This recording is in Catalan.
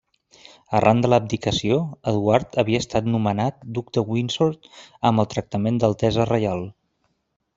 Arran de l'abdicació, Eduard havia estat nomenat duc de Windsor amb el tractament d'altesa reial.